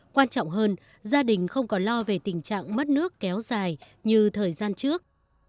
quan trọng hơn gia đình không còn lo về tình trạng mất nước kéo dài như thời gian trước